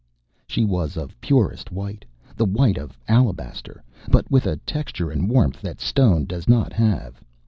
She was of purest white, the white of alabaster, but with a texture and warmth that stone does not have.